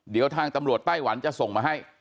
เดี๋ยวทางตำรวจไต้หวันจะส่งมาให้